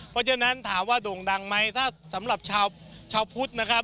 เพราะฉะนั้นถามว่าโด่งดังไหมถ้าสำหรับชาวพุทธนะครับ